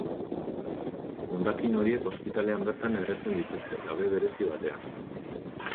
Hondakin horiek ospitalean bertan erretzen dituzte labe berezi batean.